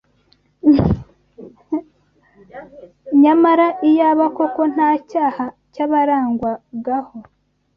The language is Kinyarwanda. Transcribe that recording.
nyamara iyaba koko nta cyaha cyabarangwagaho